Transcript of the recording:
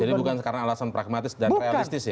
jadi bukan sekarang alasan pragmatis dan realistis ya